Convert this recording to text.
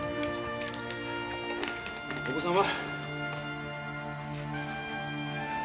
お子さんは？